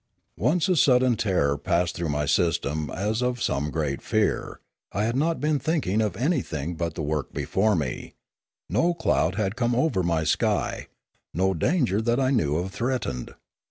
Once a sudden tremor passed through my system as of some great fear; I had not been thinking of any thing but the work before me; no cloud had come over my sky ; no danger that I knew of threatened.